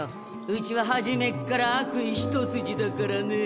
うちは初めっから悪意一筋だからね。